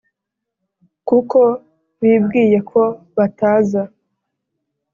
kuko bibwiye ko bataza